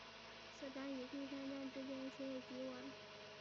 此站与桂山站之间存有急弯。